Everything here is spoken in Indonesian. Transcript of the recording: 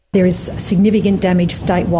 dan saya pikir jika anda bisa melihat